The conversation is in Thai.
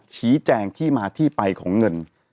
ชี้แจงที่มาที่ไปของเงิน